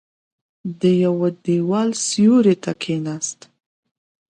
د يوه دېوال سيوري ته کېناست.